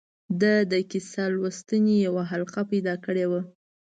ده د کیسه لوستنې یوه حلقه پیدا کړې وه.